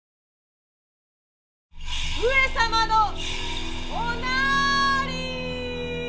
上様のおなーりー。